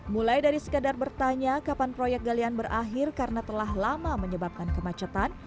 mulai dari sekadar bertanya kapan proyek galian berakhir karena telah lama menyebabkan kemacetan